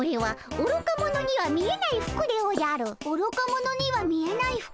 おろか者には見えない服？